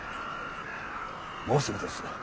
もうすぐです。